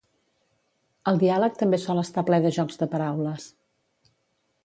El diàleg també sol estar ple de jocs de paraules.